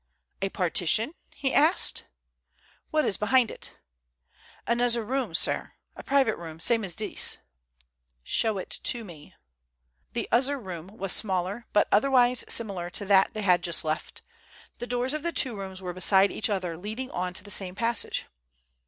"A partition?" he asked. "What is behind it?" "Anozzer room, sair. A private room, same as dees." "Show it to me." The "ozzer room" was smaller, but otherwise similar to that they had just left. The doors of the two rooms were beside each other, leading on to the same passage.